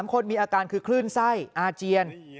๓คนมีอาการคือคลื่นไส้อาเจียน